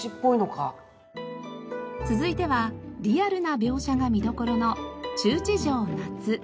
続いてはリアルな描写が見どころの『虫豸帖夏』。